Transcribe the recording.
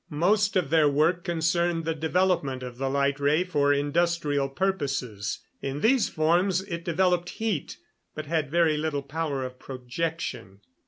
Most of their work concerned the development of the light ray for industrial purposes. In these forms it developed heat, but had very little power of projection.